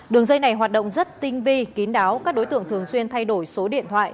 đường dây này hoạt động rất tinh vi kín đáo các đối tượng thường xuyên thay đổi số điện thoại